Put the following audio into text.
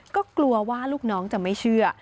ก็กลัวว่าลูกน้องจะไม่เชื่อ